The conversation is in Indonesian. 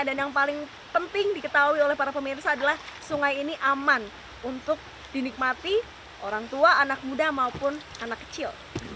yang paling penting diketahui oleh para pemirsa adalah sungai ini aman untuk dinikmati orang tua anak muda maupun anak kecil